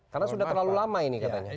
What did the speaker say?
karena sudah terlalu lama ini katanya